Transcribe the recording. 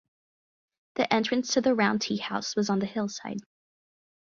The entrance to the round teahouse was on the hillside.